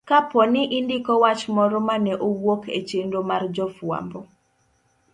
Kapo ni indiko wach moro mane owuok e chenro mar jofwambo,